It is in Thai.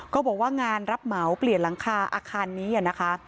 บอกว่างานรับเหมาเปลี่ยนหลังคาอาคารนี้นะคะ